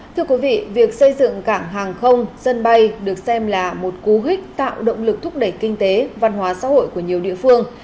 thưa quý vị việc xây dựng cảng hàng không sân bay được xem là một cú hích tạo động lực thúc đẩy kinh tế văn hóa xã hội của nhiều địa phương